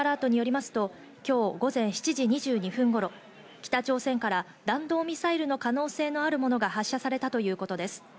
Ｊアラートによりますと今日、午前７時２２分頃、北朝鮮から弾道ミサイルの可能性のあるものが発射されたということです。